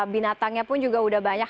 binatangnya pun juga udah banyak